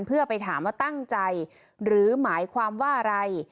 เพื่อไปถามว่าตั้งใจหรือหมายความว่าอะไร